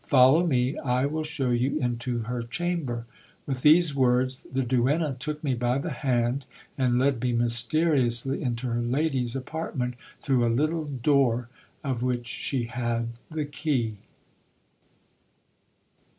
Follow me ; I will show you into her chamber. With these words the duenna took me by the hand, and led me mysteriously into her lady's apart ment through a little door, of which she had the key.